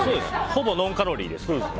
ほぼノンカロリーですから。